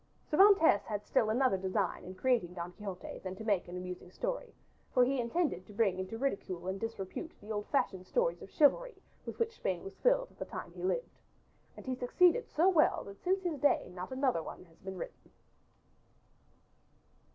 Cervantes had still another design in creating Don Quixote than to make an amusing story, for he intended to bring into ridicule and disrepute the old fashioned stories of chivalry with which Spain was filled at the time he lived. And he succeeded so well that since his day not another one has been written.